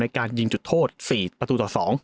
การยิงจุดโทษ๔ประตูต่อ๒